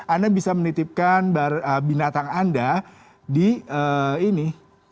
anda bisa menitipkan binatang anda di ini